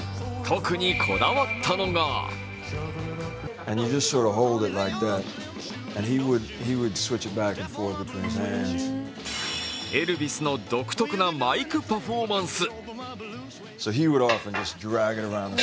特にこだわったのがエルヴィスの独特なマイクパフォーマンス。